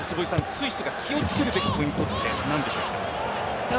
スイスが気をつけるべきポイントは何でしょうか。